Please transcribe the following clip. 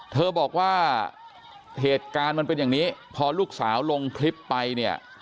เธอบอกว่าเหตุการณ์มันเป็นอย่างนี้พอลูกสาวลงคลิปไปเนี่ย